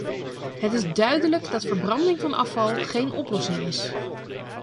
Het is duidelijk dat verbranding van afval geen oplossing is.